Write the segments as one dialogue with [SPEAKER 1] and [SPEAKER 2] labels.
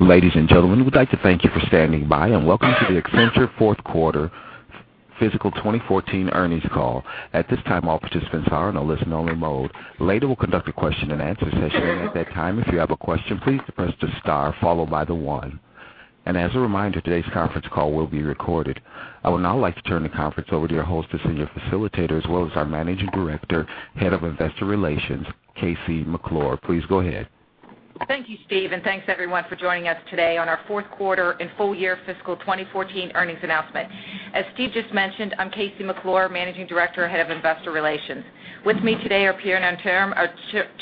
[SPEAKER 1] Ladies and gentlemen, we'd like to thank you for standing by and welcome to the Accenture fourth quarter fiscal 2014 earnings call. At this time, all participants are in a listen only mode. Later, we'll conduct a question and answer session. At that time, if you have a question, please press the star followed by the one. As a reminder, today's conference call will be recorded. I would now like to turn the conference over to your host, senior facilitator, as well as our Managing Director, Head of Investor Relations, KC McClure. Please go ahead.
[SPEAKER 2] Thank you, Steve. Thanks everyone for joining us today on our fourth quarter and full year fiscal 2014 earnings announcement. As Steve just mentioned, I'm KC McClure, Managing Director, Head of Investor Relations. With me today are Pierre Nanterme, our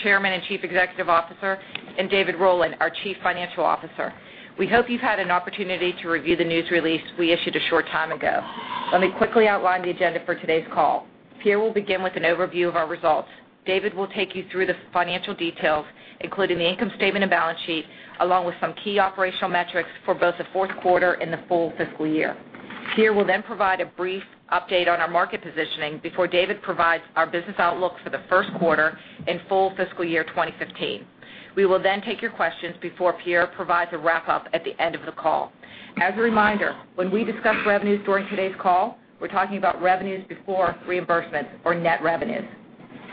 [SPEAKER 2] Chairman and Chief Executive Officer, and David Rowland, our Chief Financial Officer. We hope you've had an opportunity to review the news release we issued a short time ago. Let me quickly outline the agenda for today's call. Pierre will begin with an overview of our results. David will take you through the financial details, including the income statement and balance sheet, along with some key operational metrics for both the fourth quarter and the full fiscal year. Pierre will provide a brief update on our market positioning before David provides our business outlook for the first quarter and full fiscal year 2015. We will take your questions before Pierre provides a wrap up at the end of the call. As a reminder, when we discuss revenues during today's call, we're talking about revenues before reimbursement or net revenues.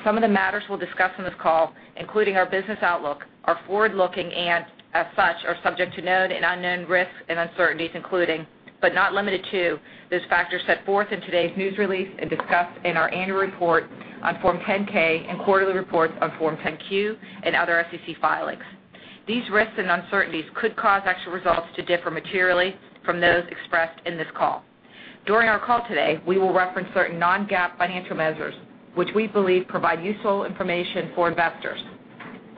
[SPEAKER 2] Some of the matters we'll discuss on this call, including our business outlook, are forward-looking and as such, are subject to known and unknown risks and uncertainties including, but not limited to, those factors set forth in today's news release and discussed in our annual report on Form 10-K and quarterly reports on Form 10-Q and other SEC filings. These risks and uncertainties could cause actual results to differ materially from those expressed in this call. During our call today, we will reference certain non-GAAP financial measures, which we believe provide useful information for investors.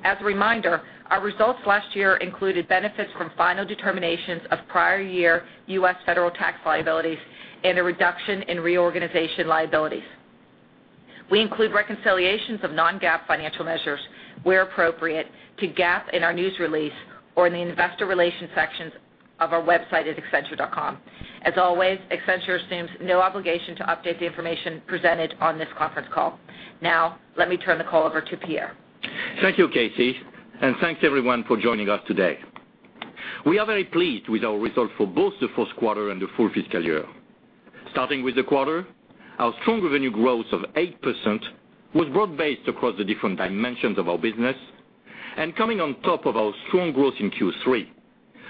[SPEAKER 2] As a reminder, our results last year included benefits from final determinations of prior year U.S. federal tax liabilities and a reduction in reorganization liabilities. We include reconciliations of non-GAAP financial measures where appropriate to GAAP in our news release or in the investor relations sections of our website at accenture.com. As always, Accenture assumes no obligation to update the information presented on this conference call. Let me turn the call over to Pierre.
[SPEAKER 3] Thank you, KC, and thanks everyone for joining us today. We are very pleased with our results for both the fourth quarter and the full fiscal year. Starting with the quarter, our strong revenue growth of 8% was broad-based across the different dimensions of our business and coming on top of our strong growth in Q3,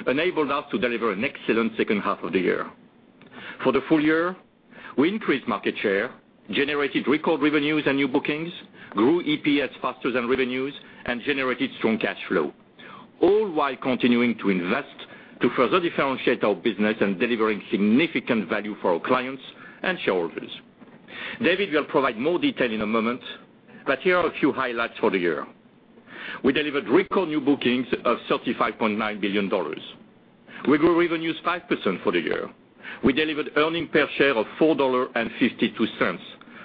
[SPEAKER 3] enabled us to deliver an excellent second half of the year. For the full year, we increased market share, generated record revenues and new bookings, grew EPS faster than revenues, and generated strong cash flow. All while continuing to invest to further differentiate our business and delivering significant value for our clients and shareholders. David will provide more detail in a moment, but here are a few highlights for the year. We delivered record new bookings of $35.9 billion. We grew revenues 5% for the year. We delivered earnings per share of $4.52,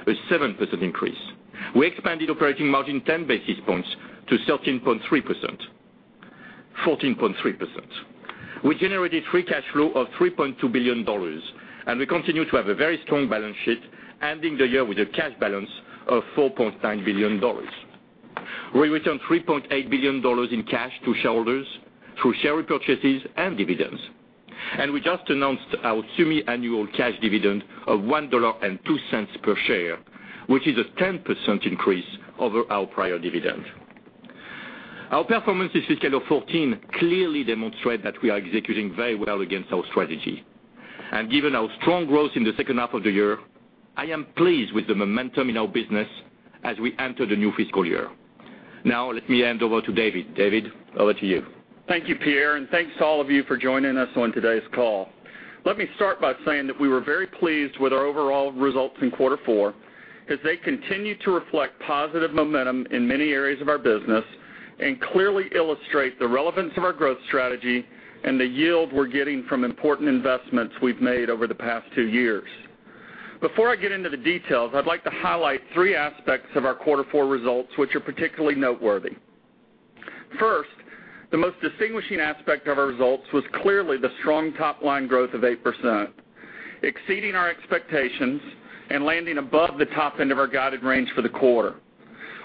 [SPEAKER 3] a 7% increase. We expanded operating margin 10 basis points to 14.3%. We generated free cash flow of $3.2 billion. We continue to have a very strong balance sheet, ending the year with a cash balance of $4.9 billion. We returned $3.8 billion in cash to shareholders through share repurchases and dividends. We just announced our semi-annual cash dividend of $1.02 per share, which is a 10% increase over our prior dividend. Our performance in fiscal year 2014 clearly demonstrates that we are executing very well against our strategy. Given our strong growth in the second half of the year, I am pleased with the momentum in our business as we enter the new fiscal year. Now let me hand over to David. David, over to you.
[SPEAKER 4] Thank you, Pierre Nanterme, and thanks to all of you for joining us on today's call. Let me start by saying that we were very pleased with our overall results in quarter four as they continue to reflect positive momentum in many areas of our business and clearly illustrate the relevance of our growth strategy and the yield we're getting from important investments we've made over the past two years. Before I get into the details, I'd like to highlight three aspects of our quarter four results, which are particularly noteworthy. First, the most distinguishing aspect of our results was clearly the strong top-line growth of 8%, exceeding our expectations and landing above the top end of our guided range for the quarter.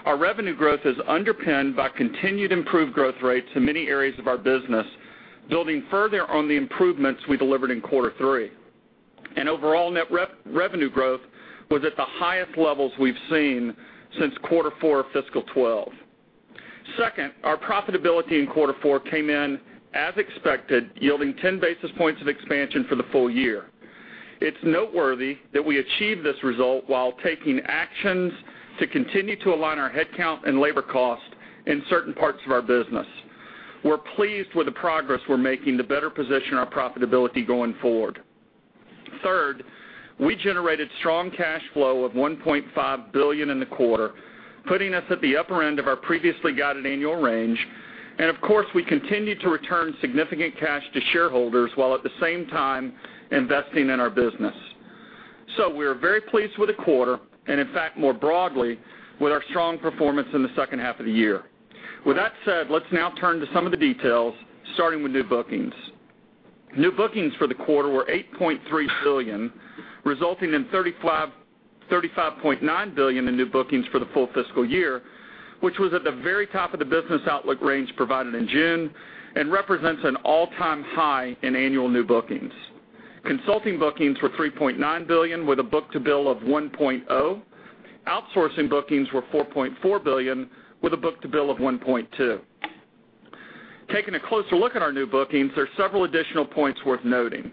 [SPEAKER 4] Our revenue growth is underpinned by continued improved growth rates in many areas of our business, building further on the improvements we delivered in quarter three. Overall net revenue growth was at the highest levels we've seen since quarter four of fiscal 2012. Second, our profitability in quarter four came in as expected, yielding 10 basis points of expansion for the full year. It's noteworthy that we achieved this result while taking actions to continue to align our headcount and labor cost in certain parts of our business. We're pleased with the progress we're making to better position our profitability going forward. Third, we generated strong cash flow of $1.5 billion in the quarter, putting us at the upper end of our previously guided annual range. Of course, we continue to return significant cash to shareholders while at the same time investing in our business. We are very pleased with the quarter and in fact more broadly with our strong performance in the second half of the year. With that said, let's now turn to some of the details, starting with new bookings. New bookings for the quarter were $8.3 billion, resulting in $35.9 billion in new bookings for the full fiscal year, which was at the very top of the business outlook range provided in June and represents an all-time high in annual new bookings. Consulting bookings were $3.9 billion with a book-to-bill of 1.0. Outsourcing bookings were $4.4 billion with a book-to-bill of 1.2. Taking a closer look at our new bookings, there are several additional points worth noting.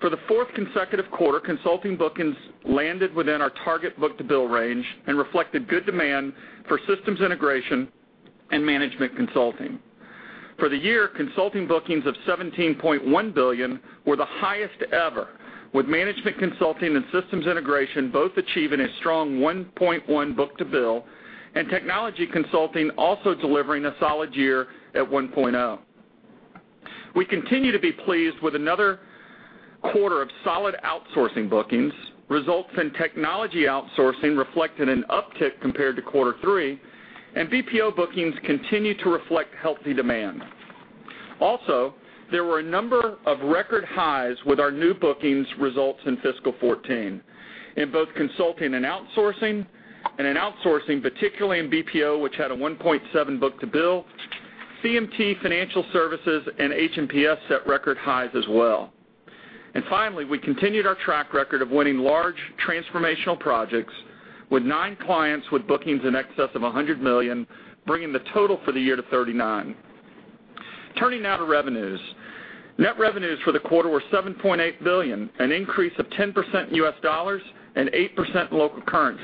[SPEAKER 4] For the fourth consecutive quarter, consulting bookings landed within our target book-to-bill range and reflected good demand for systems integration and management consulting. For the year, consulting bookings of $17.1 billion were the highest ever, with management consulting and systems integration both achieving a strong 1.1 book-to-bill, and technology consulting also delivering a solid year at 1.0. We continue to be pleased with another quarter of solid outsourcing bookings. Results in technology outsourcing reflected an uptick compared to quarter three, and BPO bookings continue to reflect healthy demand. Also, there were a number of record highs with our new bookings results in fiscal 2014 in both consulting and outsourcing, and in outsourcing, particularly in BPO, which had a 1.7 book-to-bill. CMT, Financial Services, and H&PS set record highs as well. Finally, we continued our track record of winning large transformational projects with nine clients with bookings in excess of $100 million, bringing the total for the year to 39. Turning now to revenues. Net revenues for the quarter were $7.8 billion, an increase of 10% in U.S. dollars and 8% in local currency,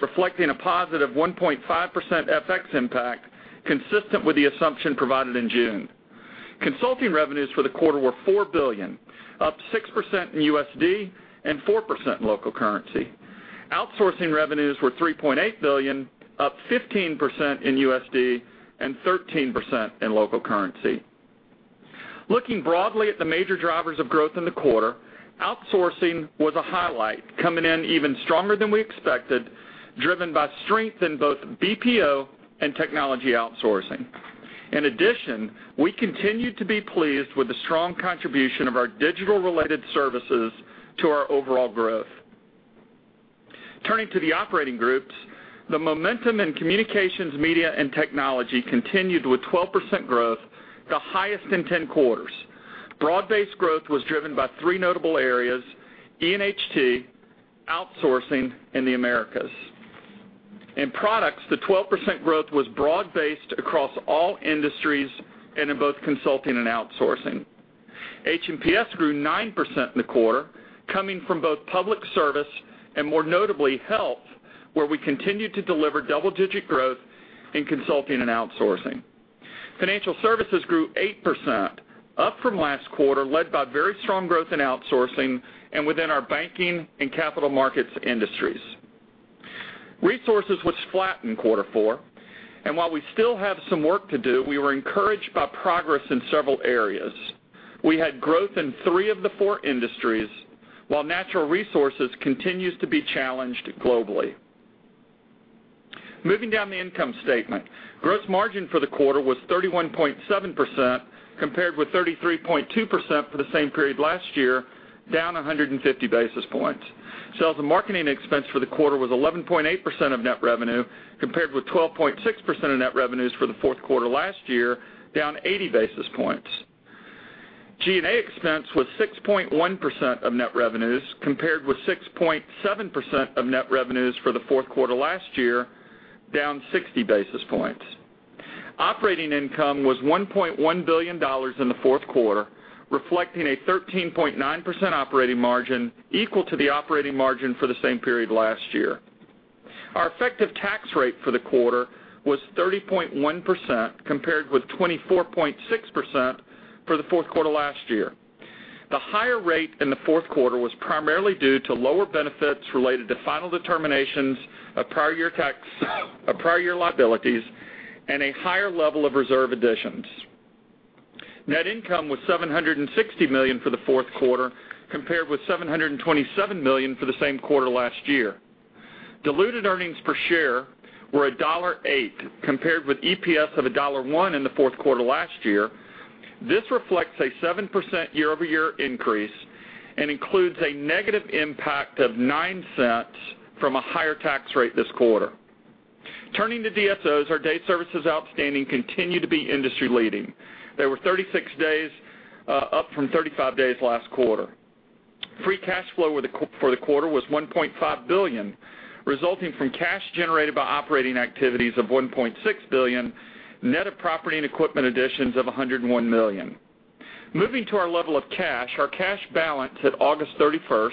[SPEAKER 4] reflecting a positive 1.5% FX impact consistent with the assumption provided in June. Consulting revenues for the quarter were $4 billion, up 6% in USD and 4% in local currency. Outsourcing revenues were $3.8 billion, up 15% in USD and 13% in local currency. Looking broadly at the major drivers of growth in the quarter, outsourcing was a highlight, coming in even stronger than we expected, driven by strength in both BPO and technology outsourcing. In addition, we continued to be pleased with the strong contribution of our digital-related services to our overall growth. Turning to the operating groups, the momentum in communications, media, and technology continued with 12% growth, the highest in 10 quarters. Broad-based growth was driven by three notable areas, H&T, outsourcing in the Americas. In products, the 12% growth was broad-based across all industries and in both consulting and outsourcing. H&PS grew 9% in the quarter, coming from both public service and, more notably, health, where we continued to deliver double-digit growth in consulting and outsourcing. Financial services grew 8%, up from last quarter, led by very strong growth in outsourcing and within our banking and capital markets industries. Resources was flat in quarter four, and while we still have some work to do, we were encouraged by progress in several areas. We had growth in three of the four industries, while natural resources continues to be challenged globally. Moving down the income statement. Gross margin for the quarter was 31.7%, compared with 33.2% for the same period last year, down 150 basis points. Sales and marketing expense for the quarter was 11.8% of net revenue, compared with 12.6% of net revenues for the fourth quarter last year, down 80 basis points. G&A expense was 6.1% of net revenues, compared with 6.7% of net revenues for the fourth quarter last year, down 60 basis points. Operating income was $1.1 billion in the fourth quarter, reflecting a 13.9% operating margin equal to the operating margin for the same period last year. Our effective tax rate for the quarter was 30.1%, compared with 24.6% for the fourth quarter last year. The higher rate in the fourth quarter was primarily due to lower benefits related to final determinations of prior year tax, of prior year liabilities, and a higher level of reserve additions. Net income was $760 million for the fourth quarter, compared with $727 million for the same quarter last year. Diluted earnings per share were $1.08, compared with EPS of $1.01 in the fourth quarter last year. This reflects a 7% year-over-year increase and includes a negative impact of $0.09 from a higher tax rate this quarter. Turning to DSOs, our days services outstanding continue to be industry-leading. They were 36 days, up from 35 days last quarter. Free cash flow for the quarter was $1.5 billion, resulting from cash generated by operating activities of $1.6 billion, net of property and equipment additions of $101 million. Moving to our level of cash, our cash balance at August 31st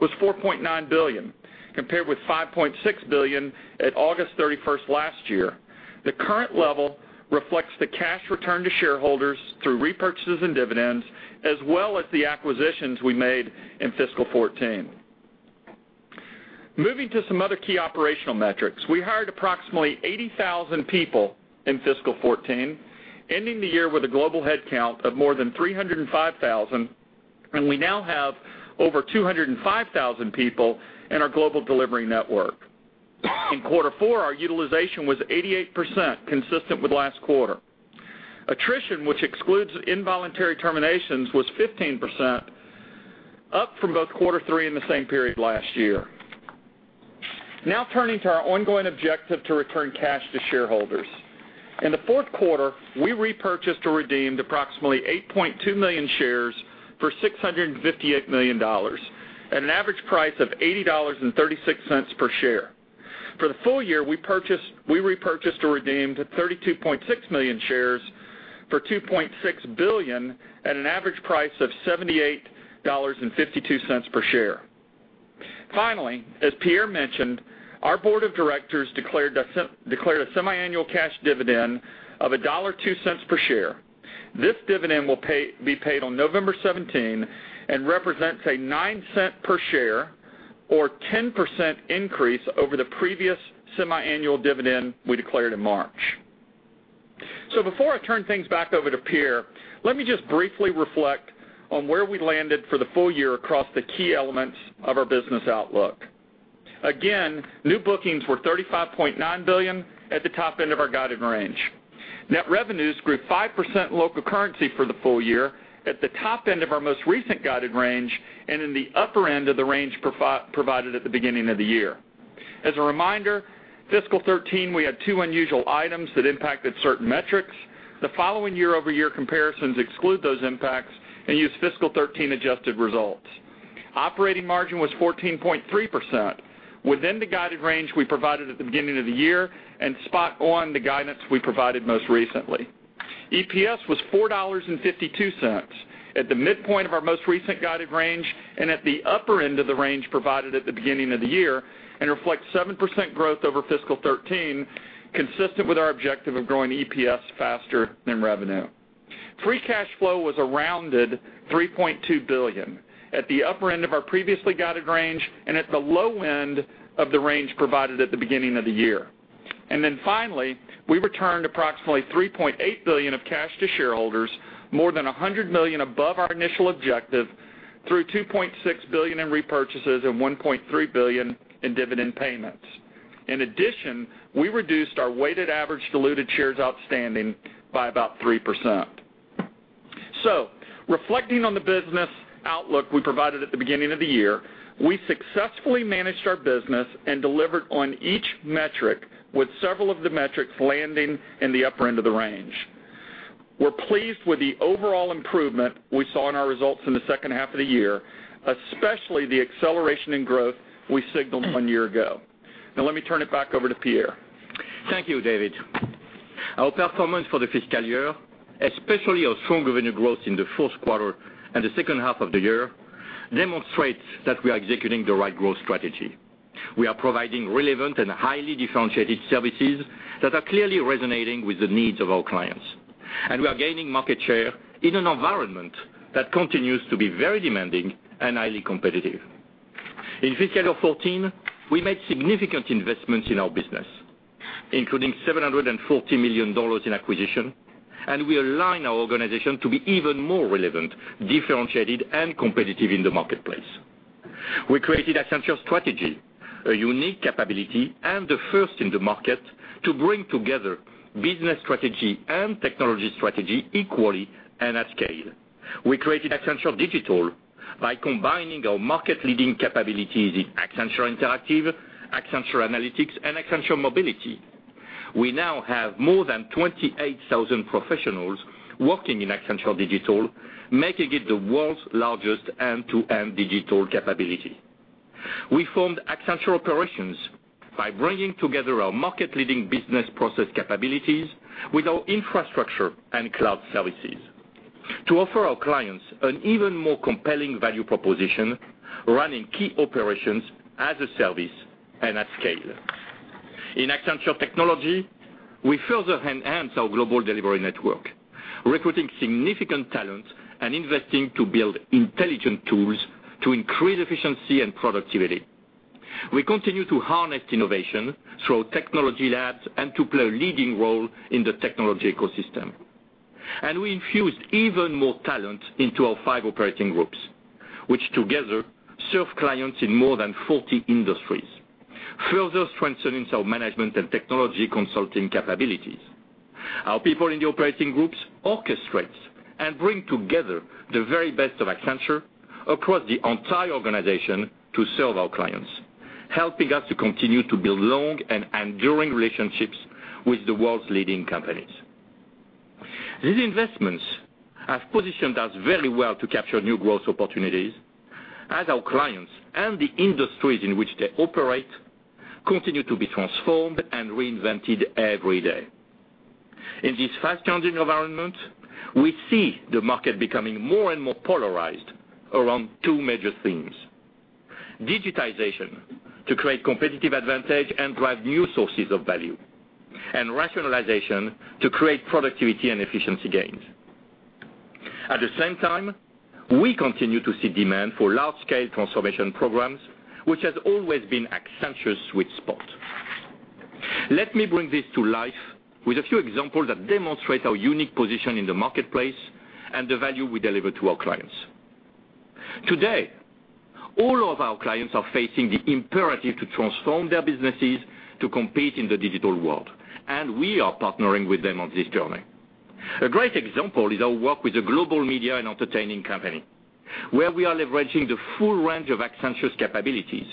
[SPEAKER 4] was $4.9 billion, compared with $5.6 billion at August 31st last year. The current level reflects the cash returned to shareholders through repurchases and dividends, as well as the acquisitions we made in fiscal 2014. Moving to some other key operational metrics. We hired approximately 80,000 people in fiscal 2014, ending the year with a global headcount of more than 305,000, and we now have over 205,000 people in our global delivery network. In quarter four, our utilization was 88%, consistent with last quarter. Attrition, which excludes involuntary terminations, was 15%, up from both quarter three and the same period last year. Now turning to our ongoing objective to return cash to shareholders. In the fourth quarter, we repurchased or redeemed approximately 8.2 million shares for $658 million, at an average price of $80.36 per share. For the full year, we repurchased or redeemed 32.6 million shares for $2.6 billion at an average price of $78.52 per share. Finally, as Pierre mentioned, our board of directors declared a semiannual cash dividend of $1.02 per share. This dividend will be paid on November 17 and represents a $0.09 per share or 10% increase over the previous semiannual dividend we declared in March. Before I turn things back over to Pierre, let me just briefly reflect on where we landed for the full year across the key elements of our business outlook. Again, new bookings were $35.9 billion at the top end of our guided range. Net revenues grew 5% in local currency for the full year at the top end of our most recent guided range, and in the upper end of the range provided at the beginning of the year. As a reminder, fiscal 2013, we had two unusual items that impacted certain metrics. The following year-over-year comparisons exclude those impacts and use fiscal 2013 adjusted results. Operating margin was 14.3% within the guided range we provided at the beginning of the year and spot on the guidance we provided most recently. EPS was $4.52 at the midpoint of our most recent guided range and at the upper end of the range provided at the beginning of the year and reflects 7% growth over fiscal 2013, consistent with our objective of growing EPS faster than revenue. Free cash flow was a rounded $3.2 billion at the upper end of our previously guided range and at the low end of the range provided at the beginning of the year. Finally, we returned approximately $3.8 billion of cash to shareholders, more than $100 million above our initial objective, through $2.6 billion in repurchases and $1.3 billion in dividend payments. In addition, we reduced our weighted average diluted shares outstanding by about 3%. Reflecting on the business outlook we provided at the beginning of the year, we successfully managed our business and delivered on each metric with several of the metrics landing in the upper end of the range. We're pleased with the overall improvement we saw in our results in the second half of the year, especially the acceleration in growth we signaled one year ago. Now let me turn it back over to Pierre.
[SPEAKER 3] Thank you, David. Our performance for the fiscal year, especially our strong revenue growth in the fourth quarter and the second half of the year, demonstrates that we are executing the right growth strategy. We are providing relevant and highly differentiated services that are clearly resonating with the needs of our clients. We are gaining market share in an environment that continues to be very demanding and highly competitive. In fiscal year 2014, we made significant investments in our business, including $740 million in acquisition, and we align our organization to be even more relevant, differentiated, and competitive in the marketplace. We created Accenture Strategy, a unique capability and the first in the market to bring together business strategy and technology strategy equally and at scale. We created Accenture Digital by combining our market-leading capabilities in Accenture Interactive, Accenture Analytics, and Accenture Mobility. We now have more than 28,000 professionals working in Accenture Digital, making it the world's largest end-to-end digital capability. We formed Accenture Operations by bringing together our market-leading business process capabilities with our infrastructure and cloud services to offer our clients an even more compelling value proposition, running key operations as a service and at scale. In Accenture Technology, we further enhance our global delivery network, recruiting significant talent and investing to build intelligent tools to increase efficiency and productivity. We continue to harness innovation through technology labs and to play a leading role in the technology ecosystem. We infused even more talent into our 5 operating groups, which together serve clients in more than 40 industries, further strengthening our management and technology consulting capabilities. Our people in the operating groups orchestrate and bring together the very best of Accenture across the entire organization to serve our clients, helping us to continue to build long and enduring relationships with the world's leading companies. These investments have positioned us very well to capture new growth opportunities as our clients and the industries in which they operate continue to be transformed and reinvented every day. In this fast-changing environment, we see the market becoming more and more polarized around two major themes: digitization to create competitive advantage and drive new sources of value, and rationalization to create productivity and efficiency gains. At the same time, we continue to see demand for large-scale transformation programs, which has always been Accenture's sweet spot. Let me bring this to life with a few examples that demonstrate our unique position in the marketplace and the value we deliver to our clients. Today, all of our clients are facing the imperative to transform their businesses to compete in the digital world, and we are partnering with them on this journey. A great example is our work with a global media and entertaining company, where we are leveraging the full range of Accenture's capabilities,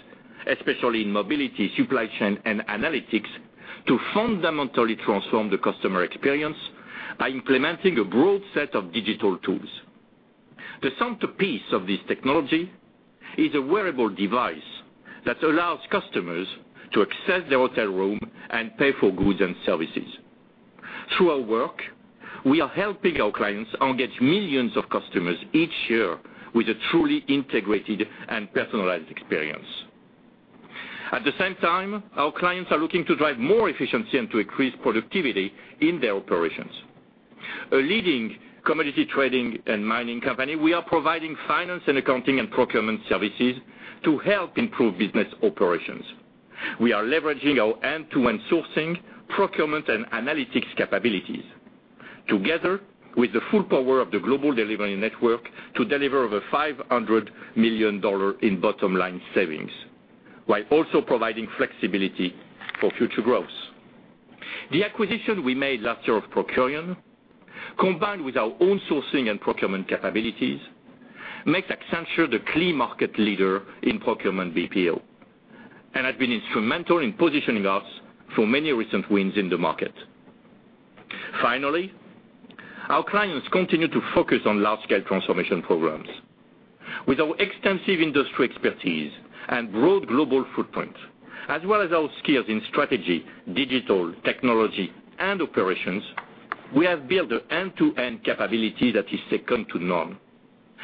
[SPEAKER 3] especially in Mobility, supply chain, and Analytics, to fundamentally transform the customer experience by implementing a broad set of digital tools. The centerpiece of this technology is a wearable device that allows customers to access their hotel room and pay for goods and services. Through our work, we are helping our clients engage millions of customers each year with a truly integrated and personalized experience. At the same time, our clients are looking to drive more efficiency and to increase productivity in their operations. A leading commodity trading and mining company, we are providing Finance and Accounting and procurement services to help improve business operations. We are leveraging our end-to-end sourcing, procurement, and Analytics capabilities, together with the full power of the global delivery network, to deliver over $500 million in bottom-line savings, while also providing flexibility for future growth. The acquisition we made last year of Procurian, combined with our own sourcing and procurement capabilities, makes Accenture the clear market leader in procurement BPO and has been instrumental in positioning us for many recent wins in the market. Finally, our clients continue to focus on large-scale transformation programs. With our extensive industry expertise and broad global footprint, as well as our skills in Strategy, Digital Technology, and Operations, we have built an end-to-end capability that is second to none.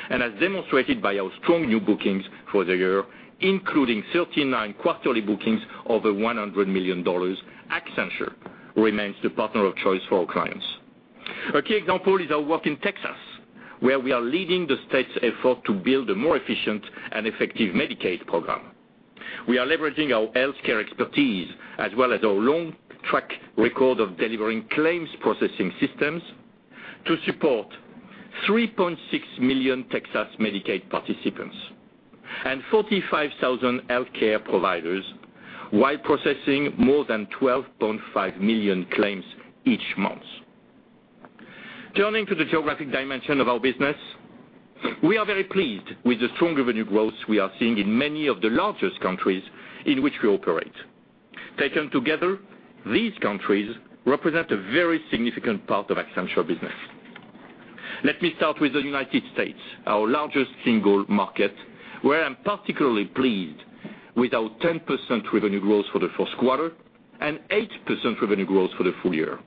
[SPEAKER 3] As demonstrated by our strong new bookings for the year, including 39 quarterly bookings over $100 million, Accenture remains the partner of choice for our clients. A key example is our work in Texas, where we are leading the state's effort to build a more efficient and effective Medicaid program. We are leveraging our healthcare expertise, as well as our long track record of delivering claims processing systems, to support 3.6 million Texas Medicaid participants and 45,000 healthcare providers, while processing more than 12.5 million claims each month. Turning to the geographic dimension of our business, we are very pleased with the strong revenue growth we are seeing in many of the largest countries in which we operate. Taken together, these countries represent a very significant part of Accenture business. Let me start with the U.S., our largest single market, where I'm particularly pleased with our 10% revenue growth for the first quarter and 8% revenue growth for the full year.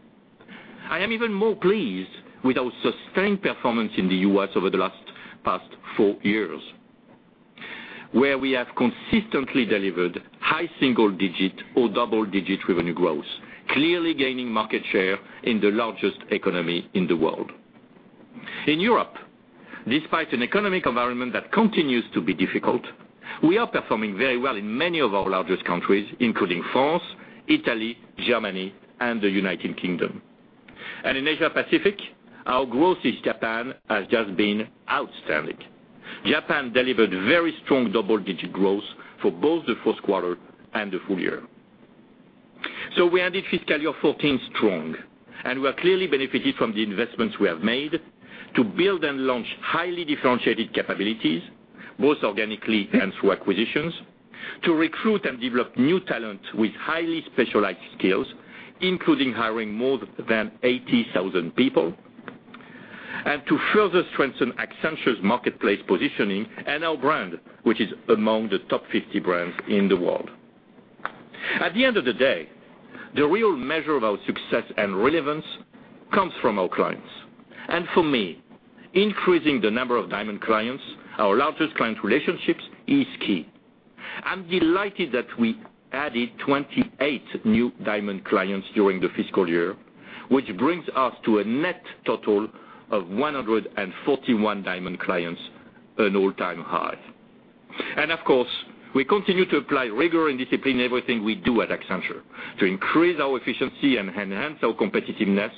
[SPEAKER 3] I am even more pleased with our sustained performance in the U.S. over the last past four years, where we have consistently delivered high single digit or double-digit revenue growth, clearly gaining market share in the largest economy in the world. In Europe, despite an economic environment that continues to be difficult, we are performing very well in many of our largest countries, including France, Italy, Germany, and the U.K. In Asia Pacific, our growth in Japan has just been outstanding. Japan delivered very strong double-digit growth for both the first quarter and the full year. We ended fiscal year 2014 strong. We are clearly benefiting from the investments we have made to build and launch highly differentiated capabilities, both organically and through acquisitions, to recruit and develop new talent with highly specialized skills, including hiring more than 80,000 people, and to further strengthen Accenture's marketplace positioning and our brand, which is among the top 50 brands in the world. At the end of the day, the real measure of our success and relevance comes from our clients. For me, increasing the number of Diamond clients, our largest client relationships, is key. I'm delighted that we added 28 new Diamond clients during the fiscal year, which brings us to a net total of 141 Diamond clients, an all-time high. Of course, we continue to apply rigor and discipline in everything we do at Accenture to increase our efficiency and enhance our competitiveness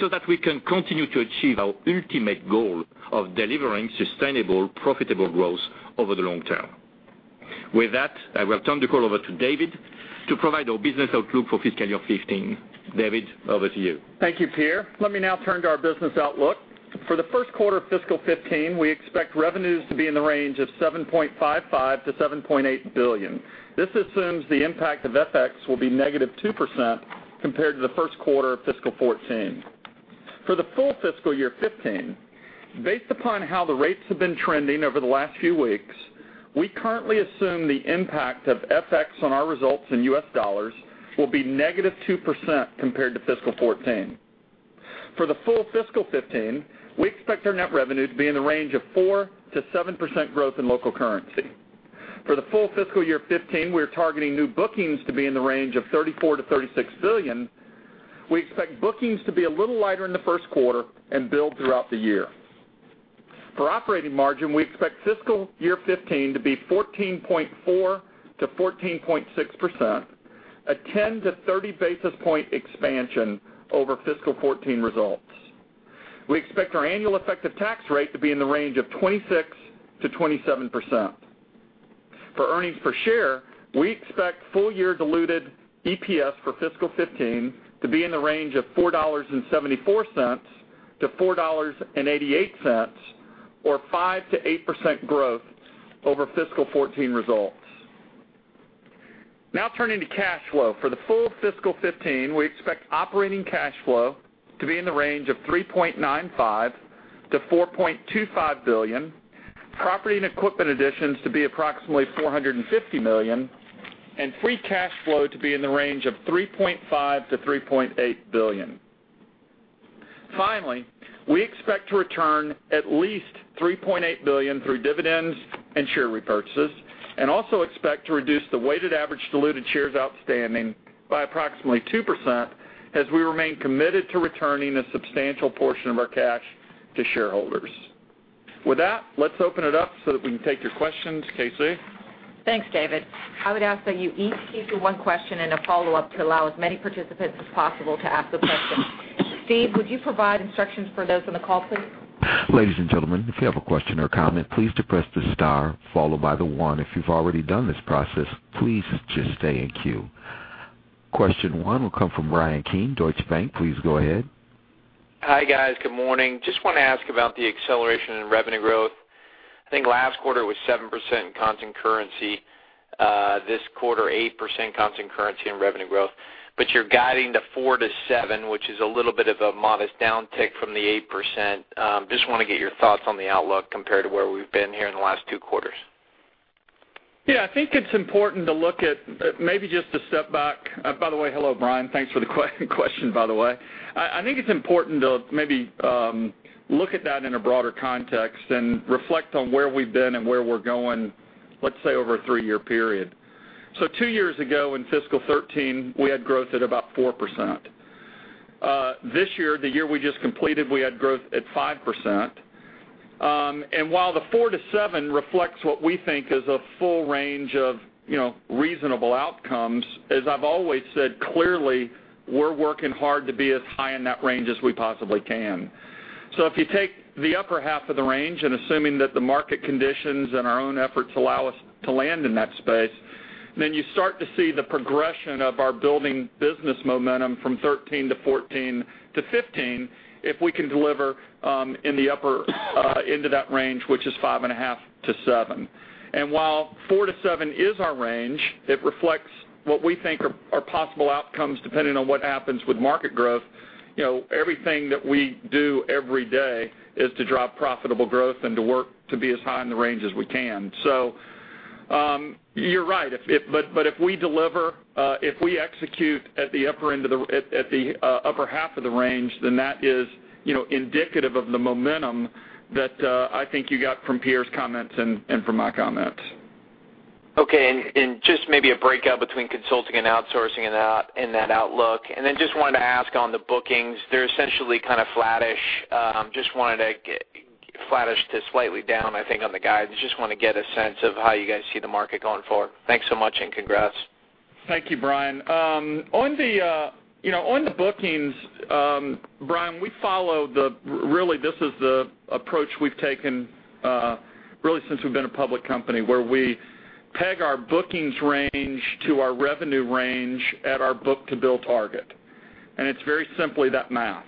[SPEAKER 3] so that we can continue to achieve our ultimate goal of delivering sustainable, profitable growth over the long term. With that, I will turn the call over to David to provide our business outlook for fiscal year 2015. David, over to you.
[SPEAKER 4] Thank you, Pierre. Let me now turn to our business outlook. For the first quarter of fiscal year 2015, we expect revenues to be in the range of $7.55 billion-$7.8 billion. This assumes the impact of FX will be negative 2% compared to the first quarter of fiscal year 2014. For the full fiscal year 2015, based upon how the rates have been trending over the last few weeks, we currently assume the impact of FX on our results in US dollars will be negative 2% compared to fiscal year 2014. For the full fiscal year 2015, we expect our net revenue to be in the range of 4%-7% growth in local currency. For the full fiscal year 2015, we are targeting new bookings to be in the range of $34 billion-$36 billion. We expect bookings to be a little lighter in the first quarter and build throughout the year. For operating margin, we expect fiscal year 2015 to be 14.4%-14.6%. A 10-30 basis point expansion over fiscal 2014 results. We expect our annual effective tax rate to be in the range of 26%-27%. For earnings per share, we expect full year diluted EPS for fiscal 2015 to be in the range of $4.74-$4.88, or 5%-8% growth over fiscal 2014 results. Turning to cash flow. For the full fiscal 2015, we expect operating cash flow to be in the range of $3.95 billion-$4.25 billion, property and equipment additions to be approximately $450 million, and free cash flow to be in the range of $3.5 billion-$3.8 billion. We expect to return at least $3.8 billion through dividends and share repurchases, and also expect to reduce the weighted average diluted shares outstanding by approximately 2% as we remain committed to returning a substantial portion of our cash to shareholders. With that, let's open it up so that we can take your questions. KC?
[SPEAKER 2] Thanks, David. I would ask that you each keep to one question and a follow-up to allow as many participants as possible to ask a question. Steve, would you provide instructions for those on the call, please?
[SPEAKER 1] Ladies and gentlemen, if you have a question or comment, please depress the star followed by the one. If you've already done this process, please just stay in queue. Question one will come from Bryan Keane, Deutsche Bank. Please go ahead.
[SPEAKER 5] Hi, guys. Good morning. Just want to ask about the acceleration in revenue growth. I think last quarter was 7% constant currency. This quarter, 8% constant currency and revenue growth. You're guiding to 4%-7%, which is a little bit of a modest downtick from the 8%. Just want to get your thoughts on the outlook compared to where we've been here in the last two quarters.
[SPEAKER 4] I think it's important to maybe just a step back. By the way, hello, Bryan. Thanks for the question, by the way. I think it's important to maybe look at that in a broader context and reflect on where we've been and where we're going, let's say, over a three-year period. Two years ago, in fiscal 2013, we had growth at about 4%. This year, the year we just completed, we had growth at 5%. While the 4%-7% reflects what we think is a full range of reasonable outcomes, as I've always said, clearly, we're working hard to be as high in that range as we possibly can. If you take the upper half of the range and assuming that the market conditions and our own efforts allow us to land in that space, then you start to see the progression of our building business momentum from 2013 to 2014 to 2015 if we can deliver in the upper end of that range, which is 5.5%-7%. While 4%-7% is our range, it reflects what we think are possible outcomes depending on what happens with market growth. Everything that we do every day is to drive profitable growth and to work to be as high in the range as we can. You're right. If we deliver, if we execute at the upper half of the range, then that is indicative of the momentum that I think you got from Pierre's comments and from my comments.
[SPEAKER 5] Okay. Just maybe a breakout between consulting and outsourcing in that outlook. Just wanted to ask on the bookings, they're essentially kind of flattish to slightly down, I think, on the guides. Just want to get a sense of how you guys see the market going forward. Thanks so much and congrats.
[SPEAKER 4] Thank you, Bryan. On the bookings, Bryan, really this is the approach we've taken really since we've been a public company, where we peg our bookings range to our revenue range at our book-to-bill target. It's very simply that math.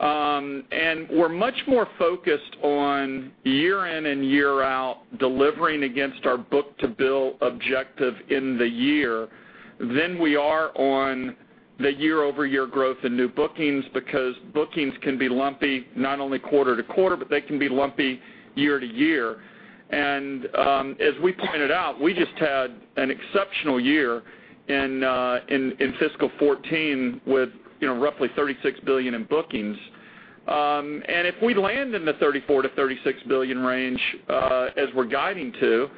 [SPEAKER 4] We're much more focused on year in and year out delivering against our book-to-bill objective in the year than we are on the year-over-year growth in new bookings, because bookings can be lumpy not only quarter-to-quarter, but they can be lumpy year-to-year. As we pointed out, we just had an exceptional year in fiscal 2014 with roughly $36 billion in bookings. If we land in the $34 billion-$36 billion range as we're guiding to,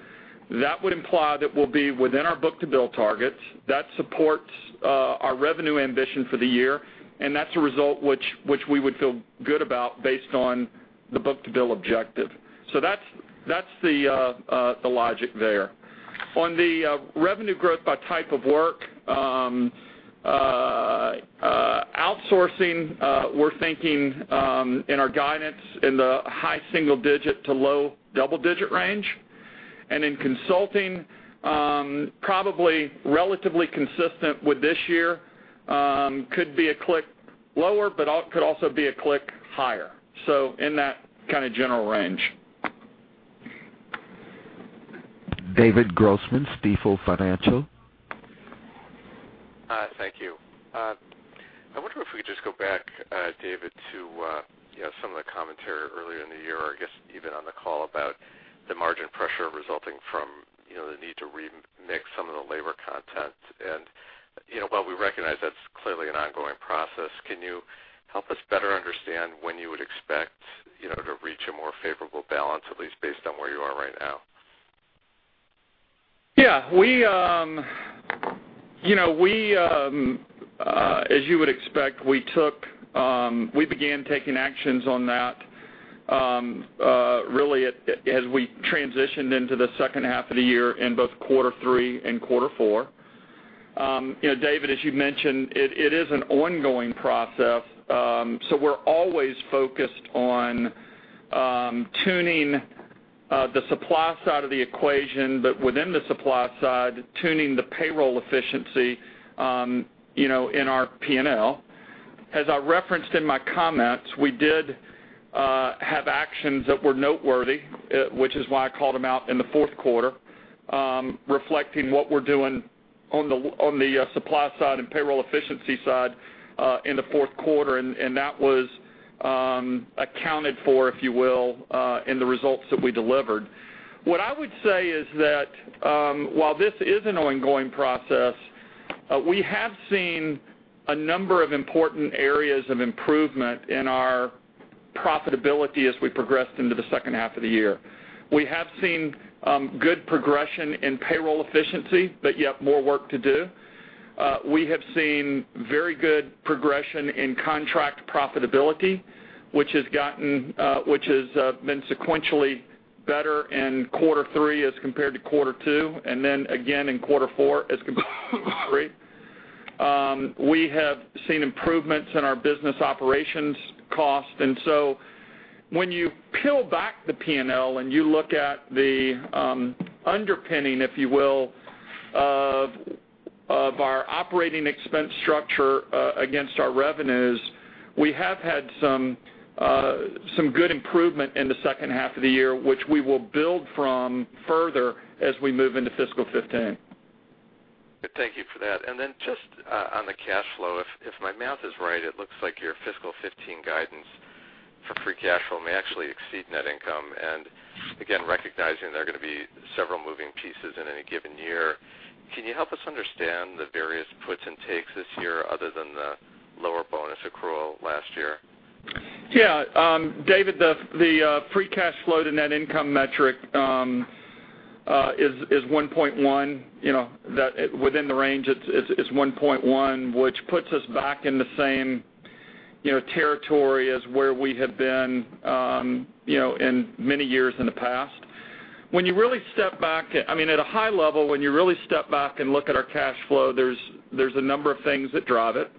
[SPEAKER 4] that would imply that we'll be within our book-to-bill targets. That supports our revenue ambition for the year, that's a result which we would feel good about based on the book-to-bill objective. That's the logic there. On the revenue growth by type of work, outsourcing, we're thinking in our guidance in the high single-digit to low double-digit range. In consulting, probably relatively consistent with this year. Could be a click lower but could also be a click higher. In that kind of general range.
[SPEAKER 1] David Grossman, Stifel Financial.
[SPEAKER 6] Thank you. I wonder if we could just go back, David, to some of the commentary earlier in the year, or I guess even on the call, about the margin pressure resulting from the need to remix some of the labor content. While we recognize that's clearly an ongoing process, can you help us better understand when you would expect to reach a more favorable balance, at least based on where you are right now?
[SPEAKER 4] Yeah. As you would expect, we began taking actions on that Really, as we transitioned into the second half of the year in both quarter three and quarter four. David, as you mentioned, it is an ongoing process, so we're always focused on tuning the supply side of the equation, but within the supply side, tuning the payroll efficiency in our P&L. As I referenced in my comments, we did have actions that were noteworthy, which is why I called them out in the fourth quarter, reflecting what we're doing on the supply side and payroll efficiency side in the fourth quarter, and that was accounted for, if you will, in the results that we delivered. What I would say is that while this is an ongoing process, we have seen a number of important areas of improvement in our profitability as we progressed into the second half of the year. We have seen good progression in payroll efficiency, but yet more work to do. We have seen very good progression in contract profitability, which has been sequentially better in quarter three as compared to quarter two, and then again in quarter four as compared to quarter three. We have seen improvements in our business operations cost. When you peel back the P&L and you look at the underpinning, if you will, of our operating expense structure against our revenues, we have had some good improvement in the second half of the year, which we will build from further as we move into fiscal 2015.
[SPEAKER 6] Thank you for that. Just on the cash flow, if my math is right, it looks like your fiscal 2015 guidance for free cash flow may actually exceed net income. Again, recognizing there are going to be several moving pieces in any given year, can you help us understand the various puts and takes this year other than the lower bonus accrual last year?
[SPEAKER 4] Yeah. David, the free cash flow to net income metric is 1.1. Within the range, it's 1.1, which puts us back in the same territory as where we have been in many years in the past. At a high level, when you really step back and look at our cash flow, there's a number of things that drive it.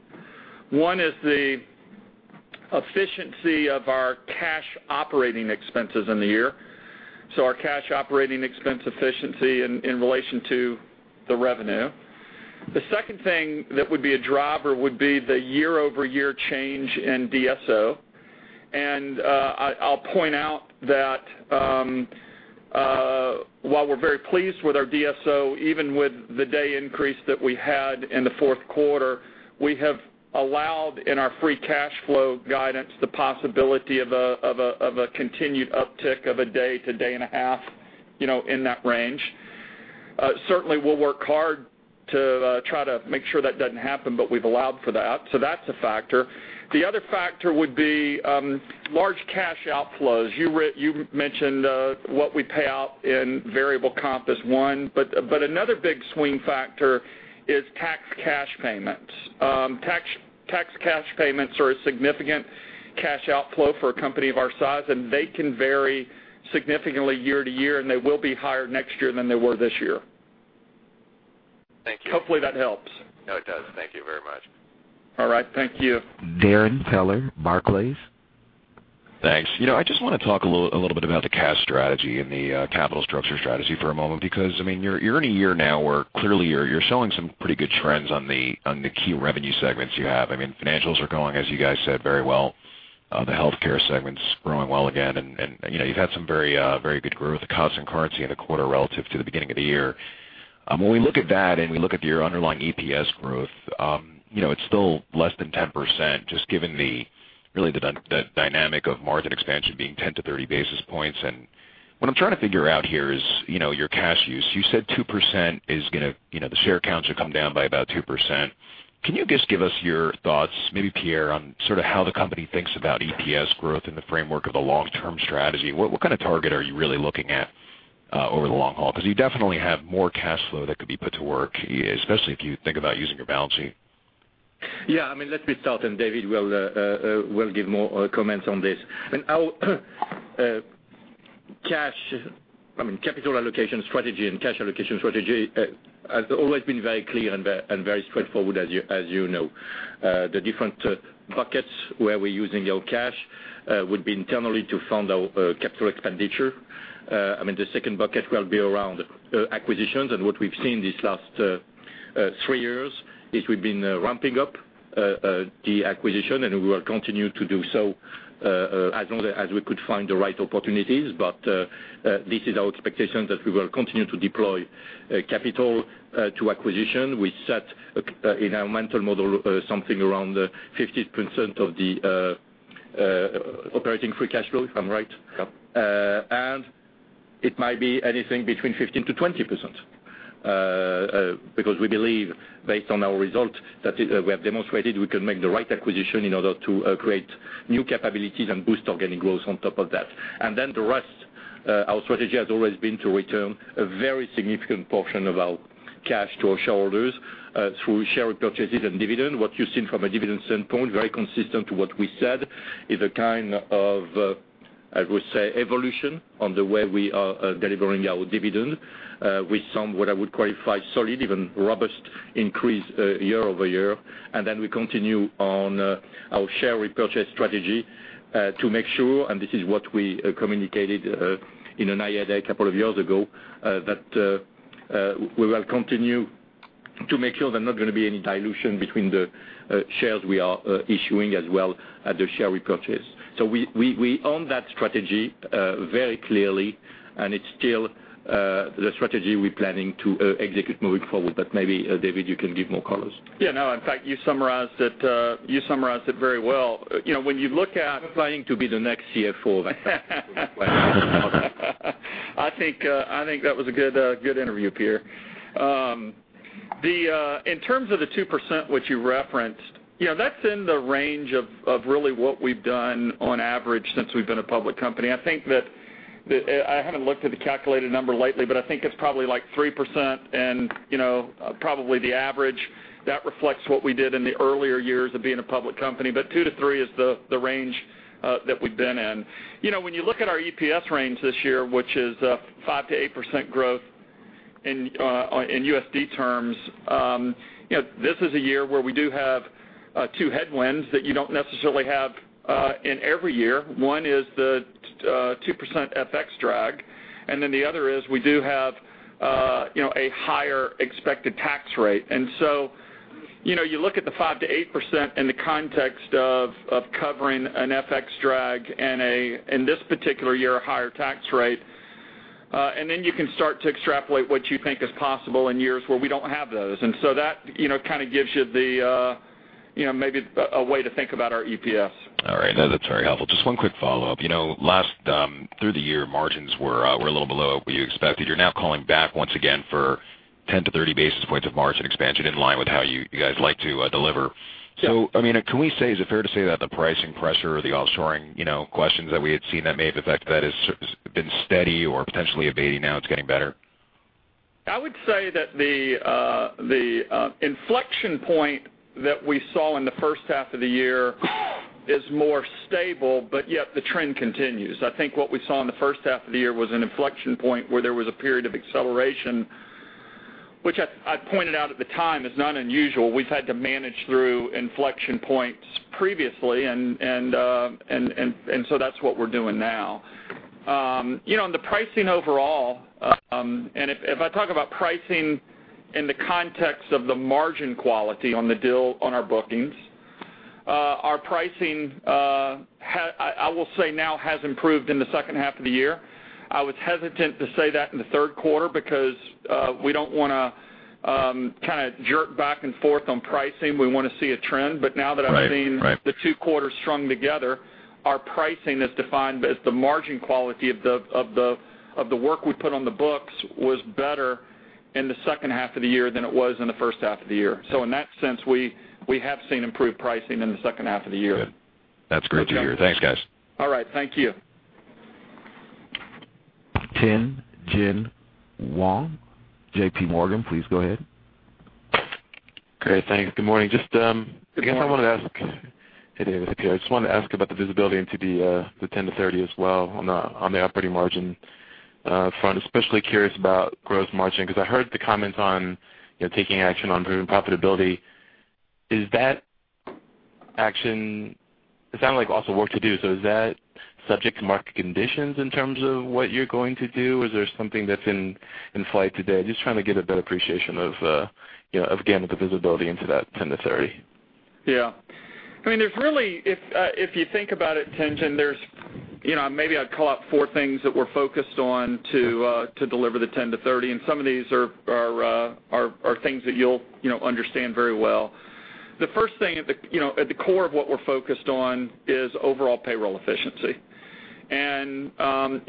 [SPEAKER 4] One is the efficiency of our cash operating expenses in the year, so our cash operating expense efficiency in relation to the revenue. The second thing that would be a driver would be the year-over-year change in DSO. I'll point out that while we're very pleased with our DSO, even with the day increase that we had in the fourth quarter, we have allowed in our free cash flow guidance the possibility of a continued uptick of a day to day and a half in that range. Certainly, we'll work hard to try to make sure that doesn't happen, but we've allowed for that. That's a factor. The other factor would be large cash outflows. You mentioned what we pay out in variable comp is one, but another big swing factor is tax cash payments. Tax cash payments are a significant cash outflow for a company of our size, and they can vary significantly year to year, and they will be higher next year than they were this year.
[SPEAKER 6] Thank you.
[SPEAKER 4] Hopefully, that helps.
[SPEAKER 6] No, it does. Thank you very much.
[SPEAKER 4] All right. Thank you.
[SPEAKER 1] Darrin Peller, Barclays.
[SPEAKER 7] Thanks. I just want to talk a little bit about the cash strategy and the capital structure strategy for a moment, because you're in a year now where clearly you're showing some pretty good trends on the key revenue segments you have. Financials are going, as you guys said, very well. The healthcare segment's growing well again, and you've had some very good growth, constant currency in the quarter relative to the beginning of the year. When we look at that and we look at your underlying EPS growth, it's still less than 10%, just given really the dynamic of margin expansion being 10 to 30 basis points. What I'm trying to figure out here is your cash use. You said the share count should come down by about 2%. Can you just give us your thoughts, maybe Pierre, on how the company thinks about EPS growth in the framework of the long-term strategy? What kind of target are you really looking at over the long haul? You definitely have more cash flow that could be put to work, especially if you think about using your balance sheet.
[SPEAKER 3] Yeah. Let me start. David will give more comments on this. Capital allocation strategy and cash allocation strategy has always been very clear and very straightforward, as you know. The different buckets where we're using our cash would be internally to fund our capital expenditure. The second bucket will be around acquisitions. What we've seen these last three years is we've been ramping up the acquisition, and we will continue to do so as long as we could find the right opportunities. This is our expectation that we will continue to deploy capital to acquisition. We set in our mental model something around 50% of the operating free cash flow, if I'm right.
[SPEAKER 4] Yep.
[SPEAKER 3] It might be anything between 15%-20%, because we believe, based on our results that we have demonstrated, we can make the right acquisition in order to create new capabilities and boost organic growth on top of that. The rest Our strategy has always been to return a very significant portion of our cash to our shareholders through share purchases and dividend. What you've seen from a dividend standpoint, very consistent to what we said, is a kind of, I would say, evolution on the way we are delivering our dividend with some, what I would qualify, solid, even robust increase year-over-year. We continue on our share repurchase strategy to make sure, and this is what we communicated in an IAD a couple of years ago, that we will continue to make sure there's not going to be any dilution between the shares we are issuing as well as the share repurchase. We own that strategy very clearly, and it's still the strategy we're planning to execute moving forward. Maybe, David, you can give more colors.
[SPEAKER 4] Yeah, no, in fact, you summarized it very well. When you look at.
[SPEAKER 3] I'm planning to be the next CFO.
[SPEAKER 4] I think that was a good interview, Pierre. In terms of the 2% which you referenced, that's in the range of really what we've done on average since we've been a public company. I haven't looked at the calculated number lately, but I think it's probably like 3% and probably the average. That reflects what we did in the earlier years of being a public company. 2% to 3% is the range that we've been in. When you look at our EPS range this year, which is a 5% to 8% growth in USD terms, this is a year where we do have two headwinds that you don't necessarily have in every year. One is the 2% FX drag, the other is we do have a higher expected tax rate. You look at the 5% to 8% in the context of covering an FX drag and, in this particular year, a higher tax rate. You can start to extrapolate what you think is possible in years where we don't have those. That gives you maybe a way to think about our EPS.
[SPEAKER 7] All right. No, that's very helpful. Just one quick follow-up. Through the year, margins were a little below what you expected. You're now calling back once again for 10 to 30 basis points of margin expansion in line with how you guys like to deliver.
[SPEAKER 4] Yeah.
[SPEAKER 7] Can we say, is it fair to say that the pricing pressure or the offshoring questions that we had seen that may have affected that has been steady or potentially abating now, it's getting better?
[SPEAKER 4] I would say that the inflection point that we saw in the first half of the year is more stable, yet the trend continues. I think what we saw in the first half of the year was an inflection point where there was a period of acceleration, which I pointed out at the time is not unusual. We've had to manage through inflection points previously, and so that's what we're doing now. On the pricing overall, and if I talk about pricing in the context of the margin quality on our bookings, our pricing, I will say now, has improved in the second half of the year. I was hesitant to say that in the third quarter because we don't want to jerk back and forth on pricing. We want to see a trend.
[SPEAKER 7] Right.
[SPEAKER 4] Now that I've seen the two quarters strung together, our pricing as defined as the margin quality of the work we put on the books was better in the second half of the year than it was in the first half of the year. In that sense, we have seen improved pricing in the second half of the year.
[SPEAKER 7] Good. That's great to hear. Thanks, guys.
[SPEAKER 4] All right. Thank you.
[SPEAKER 1] Tien-Tsin Huang, J.P. Morgan, please go ahead.
[SPEAKER 8] Great. Thanks. Good morning.
[SPEAKER 4] Good morning.
[SPEAKER 8] I guess I wanted to ask. Hey, David. Hey, Pierre. I just wanted to ask about the visibility into the 10 to 30 as well on the operating margin front. Especially curious about gross margin, because I heard the comments on taking action on improving profitability. Is that action It sounded like also work to do. Is that subject to market conditions in terms of what you're going to do? Or is there something that's in flight today? Just trying to get a better appreciation of, again, the visibility into that 10 to 30.
[SPEAKER 4] Yeah. If you think about it, Tien-Tsin, maybe I'd call out four things that we're focused on to deliver the 10 to 30, some of these are things that you'll understand very well. The first thing at the core of what we're focused on is overall payroll efficiency.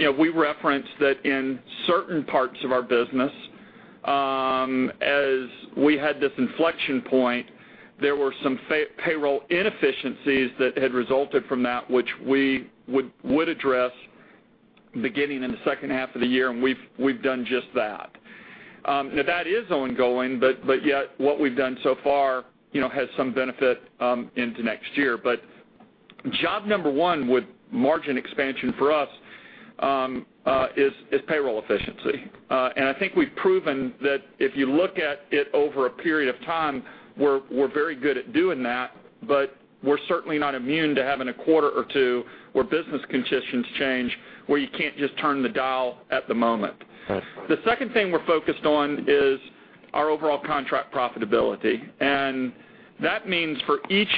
[SPEAKER 4] We referenced that in certain parts of our business. As we had this inflection point, there were some payroll inefficiencies that had resulted from that, which we would address beginning in the second half of the year, and we've done just that. That is ongoing, but yet what we've done so far has some benefit into next year. Job number one with margin expansion for us is payroll efficiency. I think we've proven that if you look at it over a period of time, we're very good at doing that, but we're certainly not immune to having a quarter or two where business conditions change, where you can't just turn the dial at the moment.
[SPEAKER 8] Understood.
[SPEAKER 4] The second thing we're focused on is our overall contract profitability. That means for each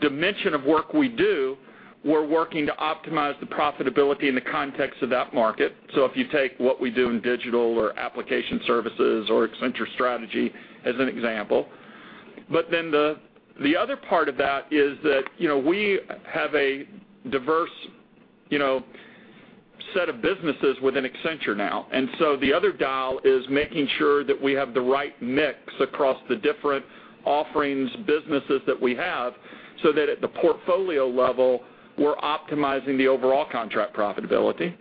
[SPEAKER 4] dimension of work we do, we're working to optimize the profitability in the context of that market. If you take what we do in digital or application services or Accenture Strategy as an example. The other part of that is that we have a diverse set of businesses within Accenture now. The other dial is making sure that we have the right mix across the different offerings, businesses that we have, so that at the portfolio level, we're optimizing the overall contract profitability.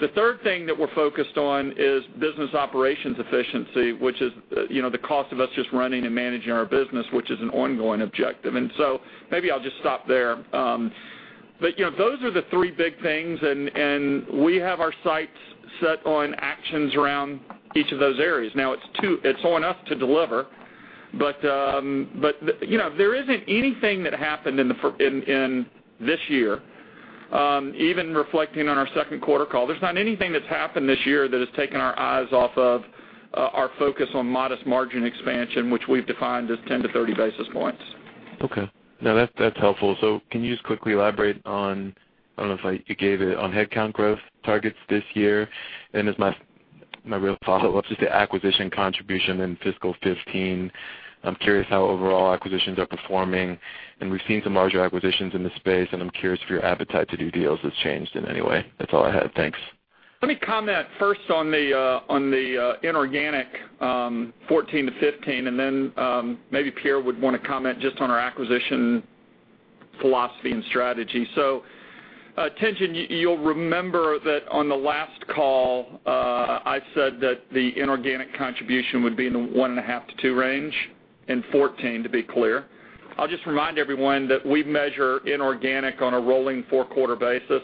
[SPEAKER 4] The third thing that we're focused on is business operations efficiency, which is the cost of us just running and managing our business, which is an ongoing objective. Maybe I'll just stop there. Those are the three big things, and we have our sights set on actions around each of those areas. It's on us to deliver, there isn't anything that happened in this year, even reflecting on our second quarter call. There's not anything that's happened this year that has taken our eyes off of our focus on modest margin expansion, which we've defined as 10 to 30 basis points.
[SPEAKER 8] Okay. No, that's helpful. Can you just quickly elaborate on, I don't know if you gave it, on headcount growth targets this year? As my real follow-up is the acquisition contribution in fiscal 2015. I'm curious how overall acquisitions are performing, and we've seen some larger acquisitions in the space, and I'm curious if your appetite to do deals has changed in any way. That's all I had. Thanks.
[SPEAKER 4] Let me comment first on the inorganic 2014 to 2015, and then maybe Pierre would want to comment just on our acquisition philosophy and strategy. Tien-Tsin, you'll remember that on the last call, I said that the inorganic contribution would be in the 1.5 to 2 range in 2014, to be clear. I'll just remind everyone that we measure inorganic on a rolling four-quarter basis.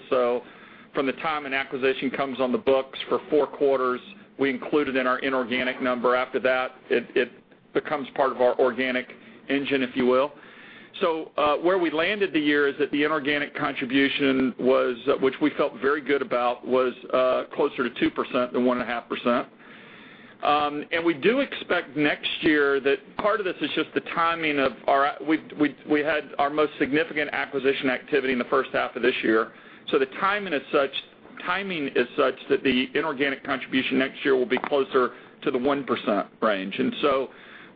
[SPEAKER 4] From the time an acquisition comes on the books for four quarters, we include it in our inorganic number. After that, it becomes part of our organic engine, if you will. Where we landed the year is that the inorganic contribution, which we felt very good about, was closer to 2% than 1.5%. We do expect next year that we had our most significant acquisition activity in the first half of this year. The timing is such that the inorganic contribution next year will be closer to the 1% range.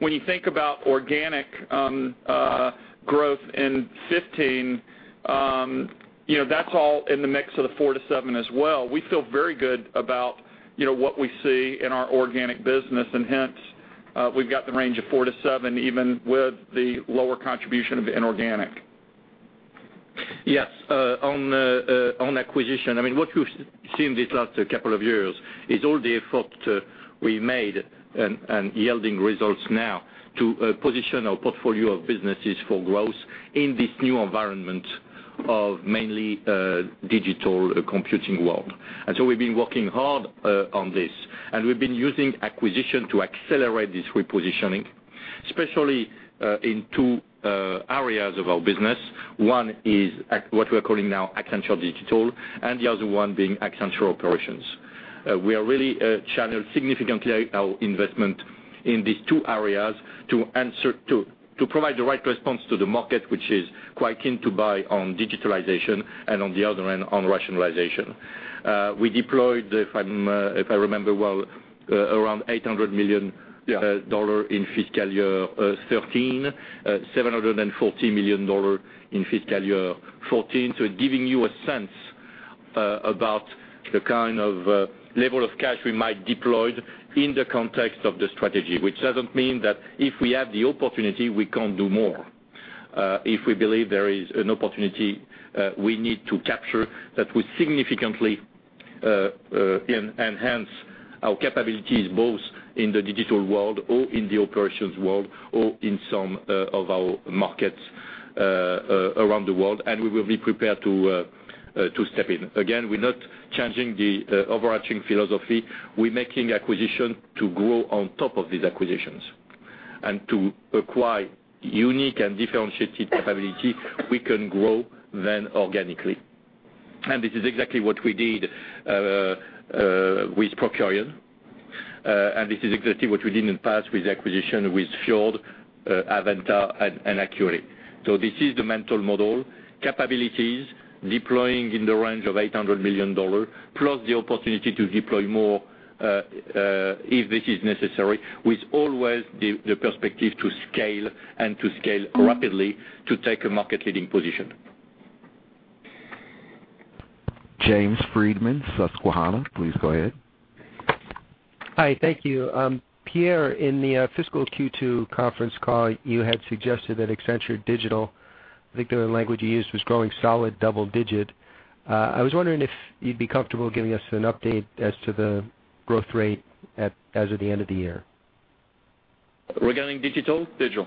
[SPEAKER 4] When you think about organic growth in 2015, that's all in the mix of the 4-7 as well. We feel very good about what we see in our organic business, and hence, we've got the range of 4-7, even with the lower contribution of the inorganic.
[SPEAKER 3] Yes. On acquisition, what you've seen these last couple of years is all the effort we made, and yielding results now, to position our portfolio of businesses for growth in this new environment of mainly digital computing world. We've been working hard on this, and we've been using acquisition to accelerate this repositioning, especially in two areas of our business. One is what we are calling now Accenture Digital, and the other one being Accenture Operations. We are really channeled significantly our investment in these two areas to provide the right response to the market, which is quite keen to buy on digitalization and on the other end, on rationalization. We deployed, if I remember well, around $800 million-
[SPEAKER 4] Yeah
[SPEAKER 3] in fiscal year 2013, $740 million in fiscal year 2014. Giving you a sense about the kind of level of cash we might deploy in the context of the strategy, which doesn't mean that if we have the opportunity, we can't do more. If we believe there is an opportunity we need to capture that would significantly enhance our capabilities both in the digital world or in the operations world or in some of our markets around the world, and we will be prepared to step in. Again, we're not changing the overarching philosophy. We're making acquisition to grow on top of these acquisitions and to acquire unique and differentiated capability we can grow than organically. This is exactly what we did with Procurian. This is exactly what we did in the past with acquisition, with Fjord, avVenta, and Acquity. This is the mental model, capabilities deploying in the range of $800 million plus the opportunity to deploy more if this is necessary, with always the perspective to scale and to scale rapidly to take a market-leading position.
[SPEAKER 1] James Friedman, Susquehanna, please go ahead.
[SPEAKER 9] Hi, thank you. Pierre, in the fiscal Q2 conference call, you had suggested that Accenture Digital, I think the language you used was growing solid double digit. I was wondering if you'd be comfortable giving us an update as to the growth rate as of the end of the year.
[SPEAKER 3] Regarding digital?
[SPEAKER 9] Digital.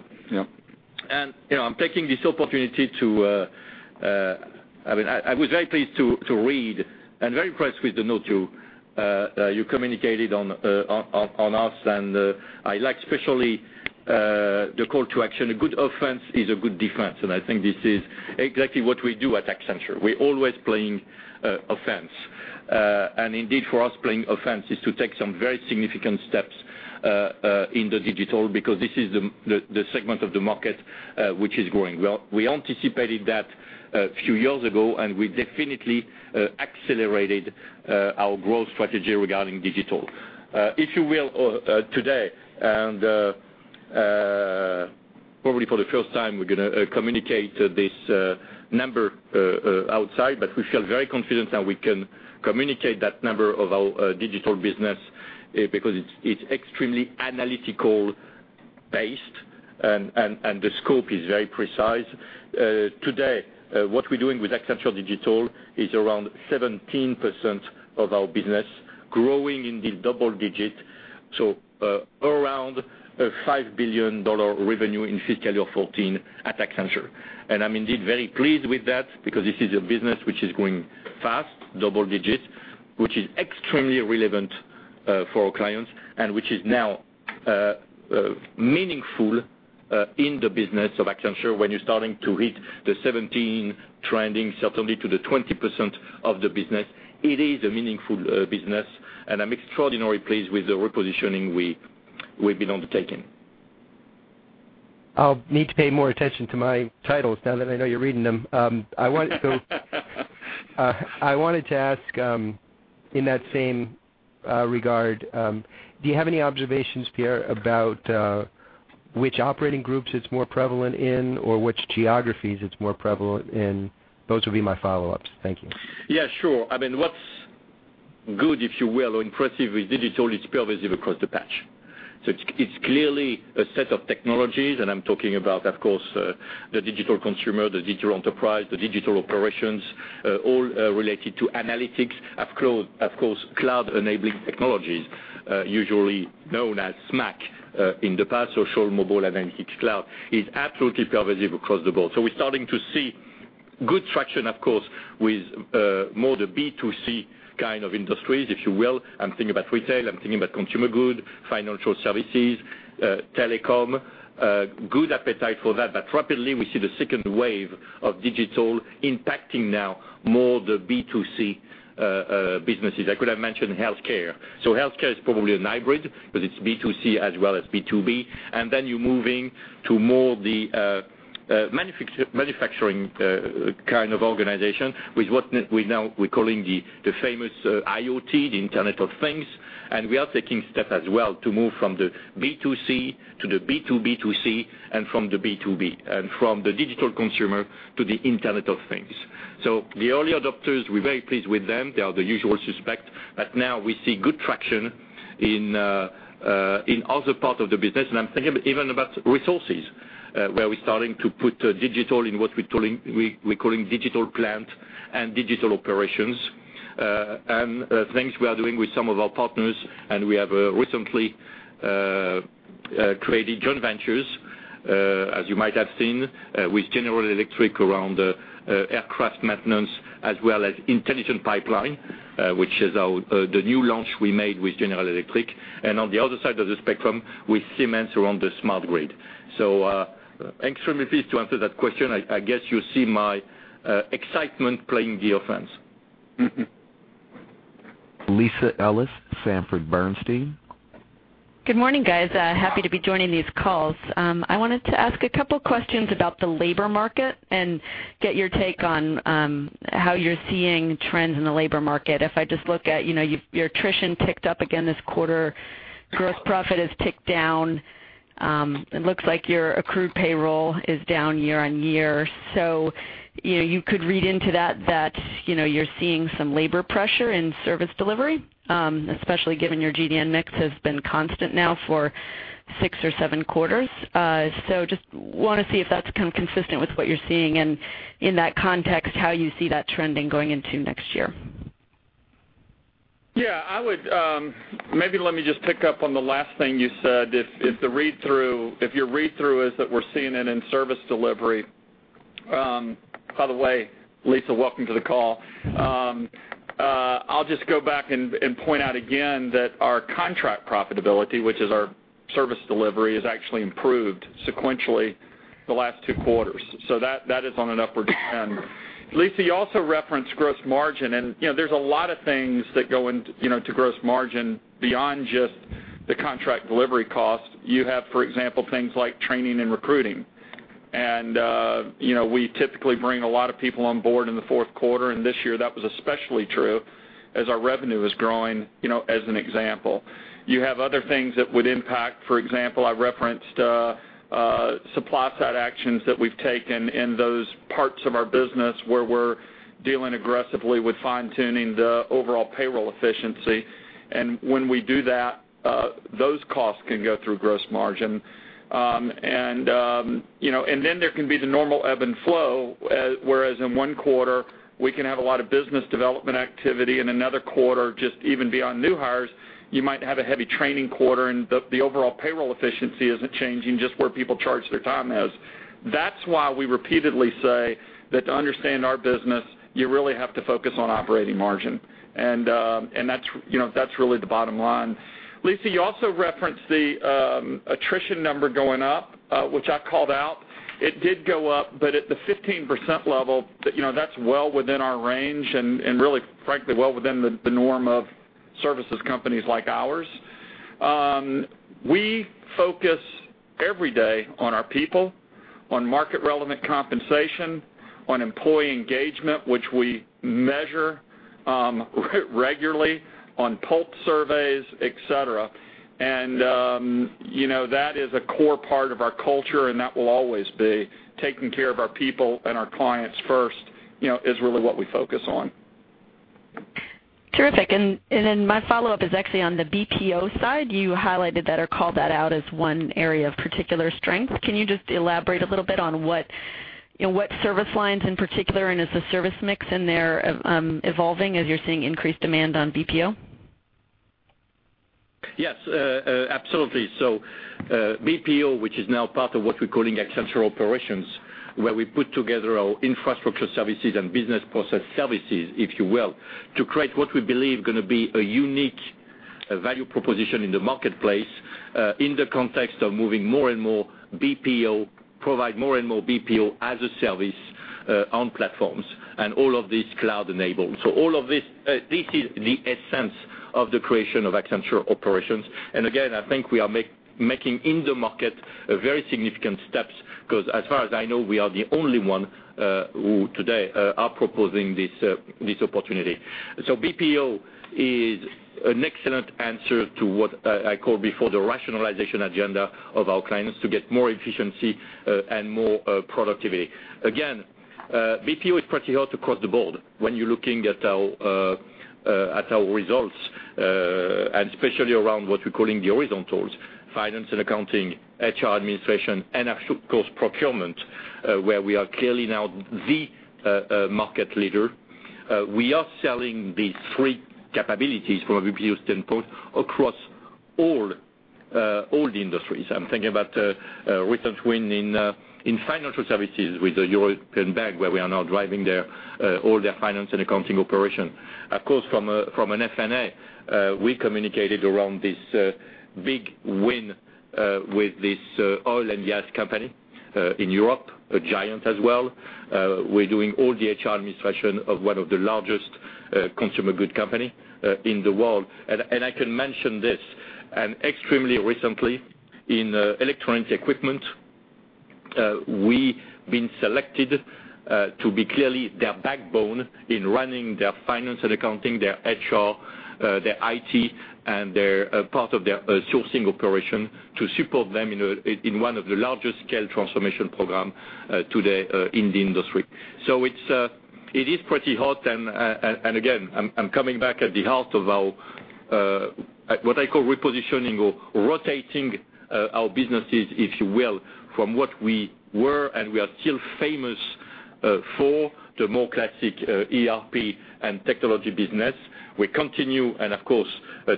[SPEAKER 3] I was very pleased to read and very impressed with the note you communicated on us, and I like especially the call to action. A good offense is a good defense. I think this is exactly what we do at Accenture. We're always playing offense. Indeed for us, playing offense is to take some very significant steps in the digital because this is the segment of the market which is growing. We anticipated that a few years ago, and we definitely accelerated our growth strategy regarding digital. If you will, today, and probably for the first time, we're going to communicate this number outside, but we feel very confident that we can communicate that number of our digital business because it's extremely analytical-based, and the scope is very precise. Today, what we're doing with Accenture Digital is around 17% of our business growing in the double digit, so around a $5 billion revenue in fiscal year 2014 at Accenture. I'm indeed very pleased with that because this is a business which is growing fast, double digits, which is extremely relevant for our clients, and which is now meaningful in the business of Accenture when you're starting to hit the 17% trending certainly to the 20% of the business. It is a meaningful business, and I'm extraordinarily pleased with the repositioning we've been undertaking.
[SPEAKER 9] I'll need to pay more attention to my titles now that I know you're reading them. I wanted to ask in that same regard, do you have any observations, Pierre, about which operating groups it's more prevalent in or which geographies it's more prevalent in? Those would be my follow-ups. Thank you.
[SPEAKER 3] Yeah, sure. What's good, if you will, or impressive with digital, it's pervasive across the patch. It's clearly a set of technologies, and I'm talking about, of course, the digital consumer, the digital enterprise, the digital operations, all related to analytics. Of course, cloud-enabling technologies, usually known as SMAC in the past, social, mobile, analytics, cloud, is absolutely pervasive across the board. We're starting to see good traction, of course, with more the B2C kind of industries, if you will. I'm thinking about retail, I'm thinking about consumer good, financial services, telecom. Good appetite for that. Rapidly, we see the second wave of digital impacting now more the B2C businesses. I could have mentioned healthcare. Healthcare is probably a hybrid because it's B2C as well as B2B. You're moving to more the manufacturing kind of organization with what we're calling the famous IoT, the Internet of Things. We are taking steps as well to move from the B2C to the B2B2C and from the B2B, and from the digital consumer to the Internet of Things. The early adopters, we're very pleased with them. They are the usual suspect. Now we see good traction in other parts of the business. I'm thinking even about resources, where we're starting to put digital in what we're calling digital plant and digital operations. Things we are doing with some of our partners, and we have recently created joint ventures, as you might have seen, with General Electric around aircraft maintenance as well as intelligent pipeline, which is the new launch we made with General Electric. On the other side of the spectrum, with Siemens around the smart grid. Extremely pleased to answer that question. I guess you see my excitement playing the offense.
[SPEAKER 1] Lisa Ellis, Sanford C. Bernstein.
[SPEAKER 10] Good morning, guys. Happy to be joining these calls. I wanted to ask a couple questions about the labor market and get your take on how you're seeing trends in the labor market. If I just look at your attrition ticked up again this quarter. Gross profit has ticked down. It looks like your accrued payroll is down year-on-year. You could read into that you're seeing some labor pressure in service delivery, especially given your GDN mix has been constant now for six or seven quarters. Just want to see if that's consistent with what you're seeing, and in that context, how you see that trending going into next year.
[SPEAKER 4] Maybe let me just pick up on the last thing you said. If your read-through is that we're seeing it in service delivery. By the way, Lisa, welcome to the call. I'll just go back and point out again that our contract profitability, which is our service delivery, has actually improved sequentially the last two quarters. That is on an upward trend. Lisa, you also referenced gross margin, and there's a lot of things that go into gross margin beyond just the contract delivery cost. You have, for example, things like training and recruiting. We typically bring a lot of people on board in the fourth quarter, and this year that was especially true as our revenue is growing as an example. You have other things that would impact. For example, I referenced supply side actions that we've taken in those parts of our business where we're dealing aggressively with fine-tuning the overall payroll efficiency. When we do that, those costs can go through gross margin. There can be the normal ebb and flow, whereas in one quarter, we can have a lot of business development activity, in another quarter, just even beyond new hires, you might have a heavy training quarter, and the overall payroll efficiency isn't changing, just where people charge their time is. That's why we repeatedly say that to understand our business, you really have to focus on operating margin. That's really the bottom line. Lisa, you also referenced the attrition number going up, which I called out. It did go up, at the 15% level, that's well within our range and really, frankly, well within the norm of services companies like ours. We focus every day on our people, on market relevant compensation, on employee engagement, which we measure regularly on pulse surveys, et cetera. That is a core part of our culture, and that will always be. Taking care of our people and our clients first is really what we focus on.
[SPEAKER 10] Terrific. My follow-up is actually on the BPO side. You highlighted that or called that out as one area of particular strength. Can you just elaborate a little bit on what service lines in particular, and is the service mix in there evolving as you're seeing increased demand on BPO?
[SPEAKER 3] Yes, absolutely. BPO, which is now part of what we're calling Accenture Operations, where we put together our infrastructure services and business process services, if you will, to create what we believe going to be a unique value proposition in the marketplace, in the context of moving more and more BPO, provide more and more BPO as a service on platforms and all of these cloud-enabled. This is the essence of the creation of Accenture Operations. Again, I think we are making in the market very significant steps, because as far as I know, we are the only one who today are proposing this opportunity. BPO is an excellent answer to what I call before the rationalization agenda of our clients to get more efficiency and more productivity. Again, BPO is pretty hot across the board when you're looking at our results, and especially around what we're calling the horizontals, finance and accounting, HR administration, and of course, procurement, where we are clearly now the market leader. We are selling these three capabilities from a BPO standpoint across all the industries. I'm thinking about recent win in financial services with a European bank where we are now driving all their finance and accounting operation. Of course, from an F&A, we communicated around this big win with this oil and gas company in Europe, a giant as well. We're doing all the HR administration of one of the largest consumer goods company in the world. I can mention this, and extremely recently in electronics equipment, we've been selected to be clearly their backbone in running their finance and accounting, their HR, their IT, and part of their sourcing operation to support them in one of the largest scale transformation program today in the industry. It is pretty hot. Again, I'm coming back at the heart of our, what I call repositioning or rotating our businesses, if you will, from what we were, and we are still famous for, the more classic ERP and technology business. We continue, and of course,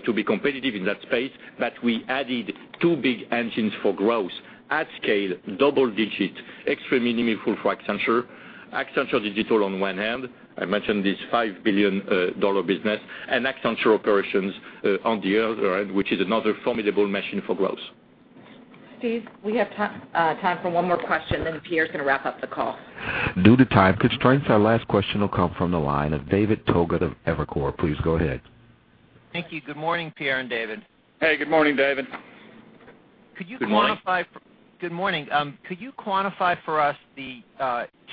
[SPEAKER 3] to be competitive in that space, but we added two big engines for growth at scale, double digits, extremely meaningful for Accenture. Accenture Digital on one hand, I mentioned this $5 billion business, and Accenture Operations on the other end, which is another formidable machine for growth.
[SPEAKER 2] Steve, we have time for one more question, then Pierre's going to wrap up the call.
[SPEAKER 1] Due to time constraints, our last question will come from the line of David Togut of Evercore. Please go ahead.
[SPEAKER 11] Thank you. Good morning, Pierre and David.
[SPEAKER 4] Hey, good morning, David.
[SPEAKER 3] Good morning.
[SPEAKER 11] Good morning. Could you quantify for us the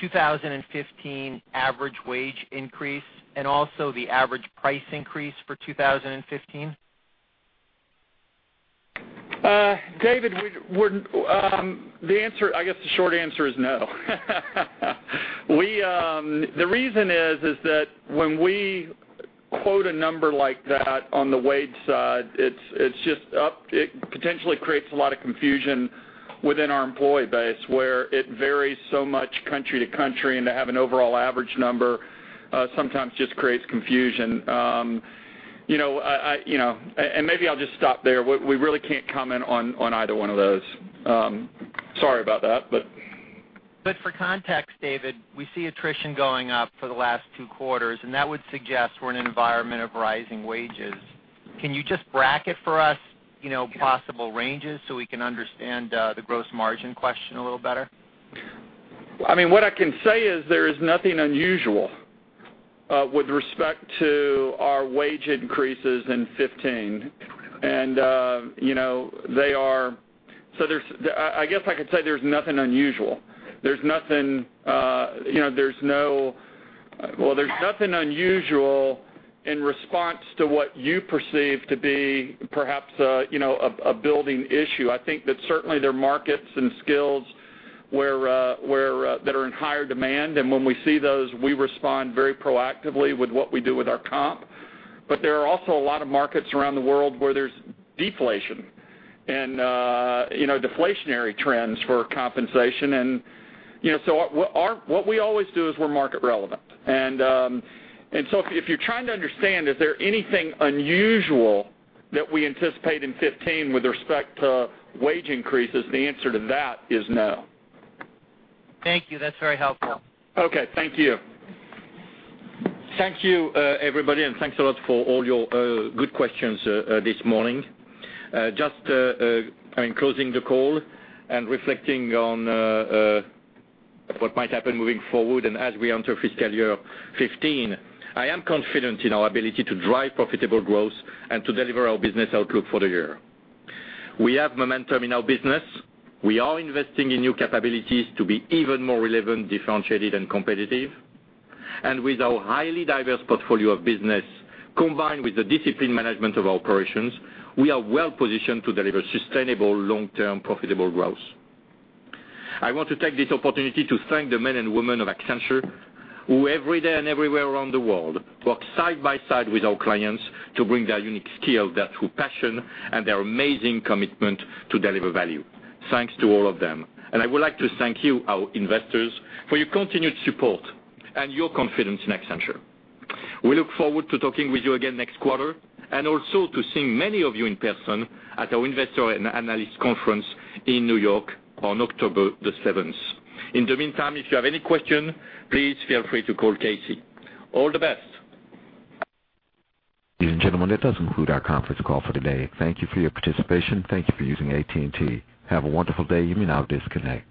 [SPEAKER 11] 2015 average wage increase and also the average price increase for 2015?
[SPEAKER 4] David, I guess the short answer is no. The reason is that when we quote a number like that on the wage side, it potentially creates a lot of confusion within our employee base, where it varies so much country to country, and to have an overall average number sometimes just creates confusion. Maybe I'll just stop there. We really can't comment on either one of those. Sorry about that.
[SPEAKER 11] For context, David, we see attrition going up for the last two quarters, and that would suggest we're in an environment of rising wages. Can you just bracket for us possible ranges so we can understand the gross margin question a little better?
[SPEAKER 4] What I can say is there is nothing unusual with respect to our wage increases in 2015. I guess I could say there's nothing unusual. Well, there's nothing unusual in response to what you perceive to be perhaps a building issue. I think that certainly there are markets and skills that are in higher demand, and when we see those, we respond very proactively with what we do with our comp. There are also a lot of markets around the world where there's deflation and deflationary trends for compensation. What we always do is we're market relevant. If you're trying to understand, is there anything unusual that we anticipate in 2015 with respect to wage increases, the answer to that is no.
[SPEAKER 11] Thank you. That's very helpful.
[SPEAKER 4] Okay. Thank you.
[SPEAKER 3] Thank you, everybody, thanks a lot for all your good questions this morning. Just in closing the call and reflecting on what might happen moving forward as we enter fiscal year 2015, I am confident in our ability to drive profitable growth and to deliver our business outlook for the year. We have momentum in our business. We are investing in new capabilities to be even more relevant, differentiated, and competitive. With our highly diverse portfolio of business, combined with the disciplined management of our operations, we are well positioned to deliver sustainable, long-term, profitable growth. I want to take this opportunity to thank the men and women of Accenture who every day and everywhere around the world work side by side with our clients to bring their unique skills, their true passion, and their amazing commitment to deliver value. Thanks to all of them. I would like to thank you, our investors, for your continued support and your confidence in Accenture. We look forward to talking with you again next quarter, and also to seeing many of you in person at our Investor and Analyst Conference in New York on October the 7th. In the meantime, if you have any questions, please feel free to call KC. All the best.
[SPEAKER 1] Ladies and gentlemen, that does conclude our conference call for the day. Thank you for your participation. Thank you for using AT&T. Have a wonderful day. You may now disconnect.